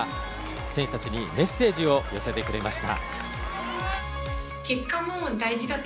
選手たちにメッセージを寄せてくれました。